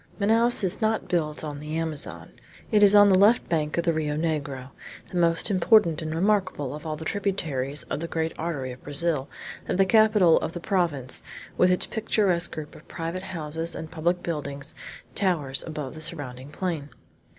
Manaos is not built on the Amazon. It is on the left bank of the Rio Negro, the most important and remarkable of all the tributaries of the great artery of Brazil, that the capital of the province, with its picturesque group of private houses and public buildings, towers above the surrounding plain.